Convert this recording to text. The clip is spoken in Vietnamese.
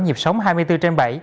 nhịp sống hai mươi bốn trên bảy